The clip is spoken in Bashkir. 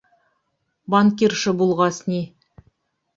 Банкирша булғас ни!